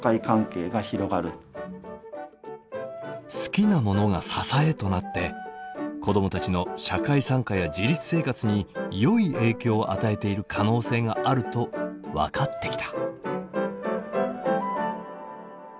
好きなものが支えとなって子どもたちの社会参加や自立生活によい影響を与えている可能性があると分かってきた。